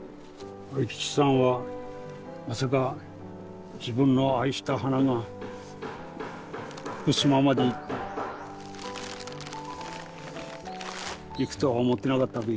愛吉さんはまさか自分の愛した花が福島まで行って行くとは思ってなかったべ。